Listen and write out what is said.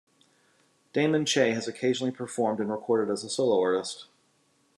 Damon Che has occasionally performed and recorded as a solo artist.